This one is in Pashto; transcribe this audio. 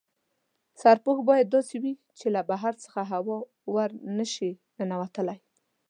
سرپوښ باید داسې وي چې له بهر څخه هوا ور نه شي ننوتلای.